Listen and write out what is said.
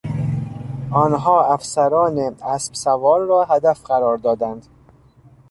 آنها افسران اسبسوار را هدف قرار دادند.